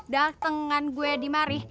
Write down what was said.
datengan gue di mari